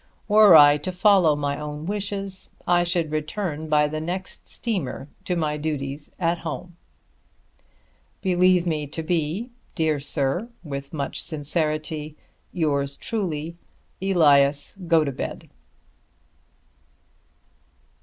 Were I to follow my own wishes I should return by the next steamer to my duties at home. Believe me to be, Dear Sir, With much sincerity, Yours truly, ELIAS GOTOBED.